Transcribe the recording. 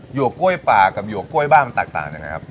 หยวกก้วยป่ากับหยวกก้วยบ้านมันต่างอย่างไรครับ